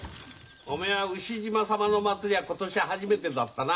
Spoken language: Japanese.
おめえは牛嶋さまの祭りは今年が初めてだったな。